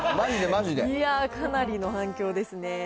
いやー、かなりの反響ですね。